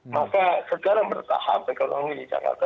maka secara bertahap ekonomi di jakarta